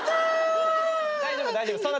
大丈夫大丈夫。